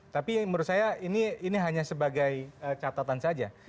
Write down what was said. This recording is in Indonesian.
tapi menurut saya ini hanya sebagai catatan saja